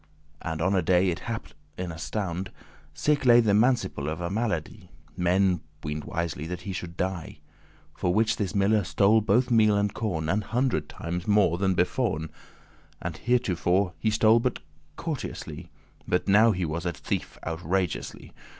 And on a day it happed in a stound*, *suddenly Sick lay the manciple* of a malady, *steward <5> Men *weened wisly* that he shoulde die. *thought certainly* For which this miller stole both meal and corn An hundred times more than beforn. For theretofore he stole but courteously, But now he was a thief outrageously.